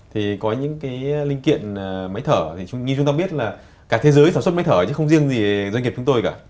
thì có những cái linh kiện máy thở thì như chúng ta biết là cả thế giới sản xuất máy thở chứ không riêng gì doanh nghiệp chúng tôi cả